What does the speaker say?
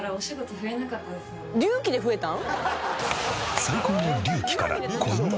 隆起で増えたん？